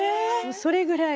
それぐらい。